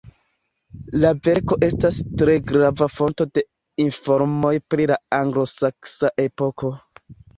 La verko estas tre grava fonto de informoj pri la anglosaksa epoko.